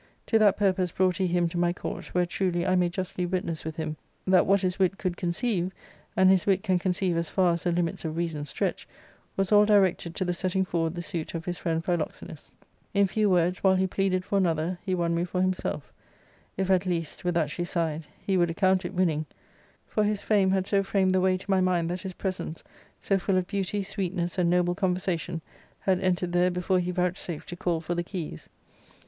To that purpose brought he him to my court> where truly I may justly witness with him that what his wit / could conceive (and his wit can conceive as far as the limits of reason stretch), was all directed to the setting forward the * suit of his friend Philoxenus. rinJewjv^ords,jwhikJiejiea^^ "^ for another, he wan me for himself i if, at least," with that she ^ sighed, "he would account it winning ; for "his fame hadrso 58 ~^ ARCADIA.—Book L * framed the way to my mind that his presence, so full of beauty, sweetness, and noble conversation, had entered there before he vouchsafed to call for the keys.